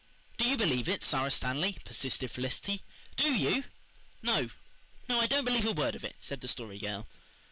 "Do you believe it, Sara Stanley?" persisted Felicity. "DO you?" "No no, I don't believe a word of it," said the Story Girl.